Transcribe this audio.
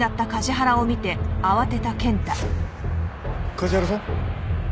梶原さん？